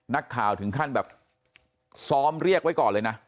นักข่าวถึงขั้นแบบซ้อมเรียกไว้ก่อนเลยนะ